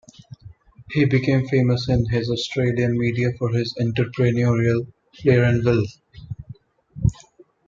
He became famous in the Australian media for his entrepreneurial flair and wealth.